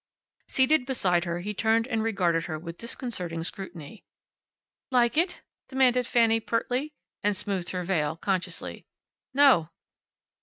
Seated beside her he turned and regarded her with disconcerting scrutiny. "Like it?" demanded Fanny, pertly. And smoothed her veil, consciously. "No."